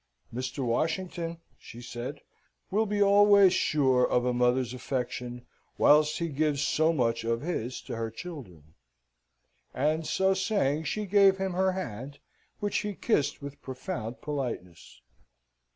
"Mr. Washington," she said, "will be always sure of a mother's affection, whilst he gives so much of his to her children." And so saying she gave him her hand, which he kissed with profound politeness.